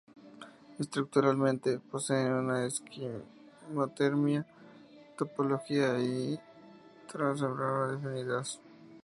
Estructuralmente, poseen una estequiometría y topología transmembrana definidas.